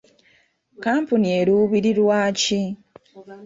Kampuni eruubirirwa ki?